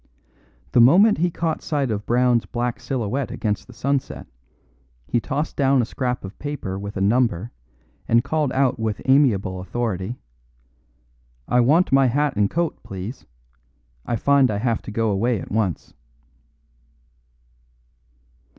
The moment he caught sight of Brown's black silhouette against the sunset, he tossed down a scrap of paper with a number and called out with amiable authority: "I want my hat and coat, please; I find I have to go away at once."